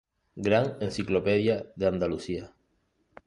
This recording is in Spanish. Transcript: Gran Enciclopedia de Andalucía.